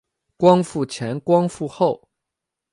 光复前光复后